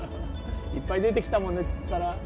いっぱい出てきたもんね筒から。